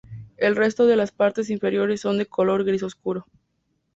El resto de las partes inferiores son de color gris obscuro.